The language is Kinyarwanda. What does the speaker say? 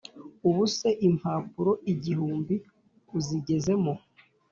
ubuse impapuro igihumbi uzigezemo